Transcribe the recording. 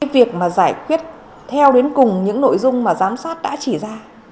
việc mà giải quyết theo đến cùng những nội dung mà giám sát đã chỉ ra